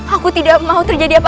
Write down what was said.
aku tidak mau terjadi apa